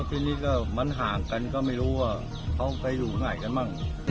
ทีนี้ก็มันห่างกันก็ไม่รู้ว่าเขาไปอยู่ไหนกันบ้าง